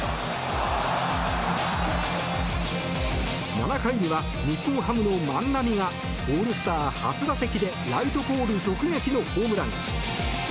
７回には日本ハムの万波がオールスター初打席でライトポール直撃のホームラン。